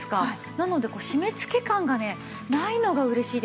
なので締めつけ感がねないのが嬉しいです。